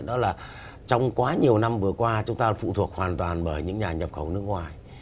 đó là trong quá nhiều năm vừa qua chúng ta phụ thuộc hoàn toàn bởi những nhà nhập khẩu nước ngoài